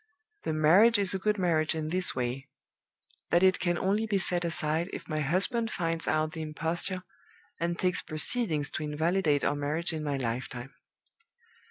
The marriage is a good marriage in this way: that it can only be set aside if my husband finds out the imposture, and takes proceedings to invalidate our marriage in my lifetime.